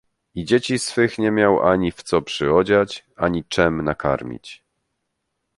"I dzieci swych nie miał ani w co przyodziać, ani czem nakarmić."